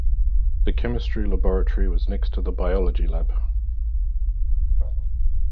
The chemistry laboratory was next to the biology lab